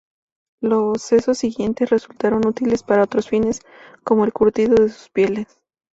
Los sesos siguen resultando útiles para otros fines, como el curtido de sus pieles.